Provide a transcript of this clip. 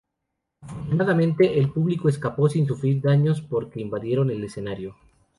Afortunadamente, el público escapó sin sufrir daños porque invadieron el escenario.